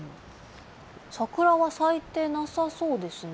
サクラは咲いてなさそうですね。